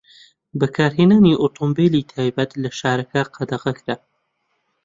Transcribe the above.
بەکارهێنانی ئۆتۆمبێلی تایبەت لە شارەکە قەدەغە کرا.